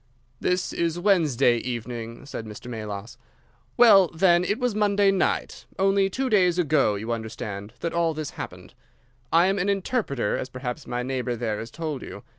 "This is Wednesday evening," said Mr. Melas. "Well then, it was Monday night—only two days ago, you understand—that all this happened. I am an interpreter, as perhaps my neighbour there has told you.